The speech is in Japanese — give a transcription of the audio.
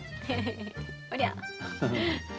おりゃ！